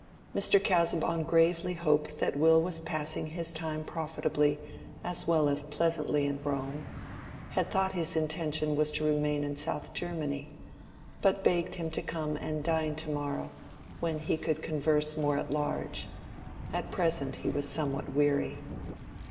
Mr. Casaubon gravely hoped that Will was passing his time profitably as well as pleasantly in Rome—had thought his intention was to remain in South Germany—but begged him to come and dine to morrow, when he could converse more at large: at present he was somewhat weary.